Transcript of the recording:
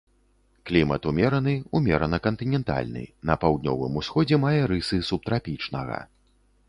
Клімат умераны, ўмерана кантынентальны, на паўднёвым усходзе мае рысы субтрапічнага.